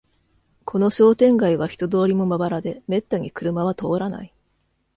この商店街は人通りもまばらで、めったに車は通らない